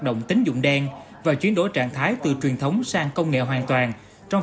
động tính dụng đen và chuyển đổi trạng thái từ truyền thống sang công nghệ hoàn toàn trong